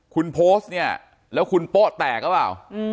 คุณโพสต์เนี่ยแล้วคุณโป๊ะแตกหรือเปล่า